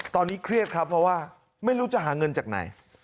ตอนนี้เครียดครับเพราะว่าไม่รู้จะหาเงินจากไหน